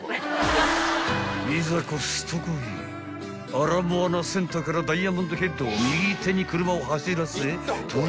［アラモアナセンターからダイヤモンドヘッドを右手に車を走らせ］